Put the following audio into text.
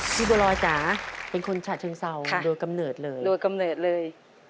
พี่บัวรอยจ๋าเป็นคนฉะเชิงเซาโดยกำเนิดเลยนะครับพี่บัวรอยจ๋าเป็นคนฉะเชิงเซาโดยกำเนิดเลย